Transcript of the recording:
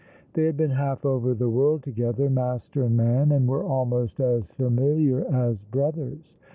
They had been half over the world together, master and man, and were almost as familiar as brothers.